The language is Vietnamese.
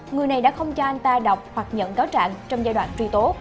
người này đã không cho anh ta đọc hoặc nhận cáo trạng trong giai đoạn truy tố